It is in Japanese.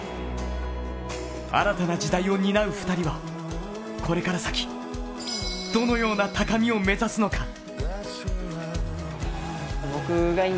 新たな時代を担う２人はこれから先どのような高みを目指すのか。